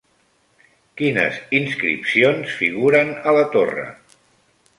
Quines inscripcions figuren a la torre?